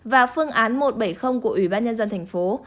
và phương án một trăm bảy mươi của ủy ban nhân dân thành phố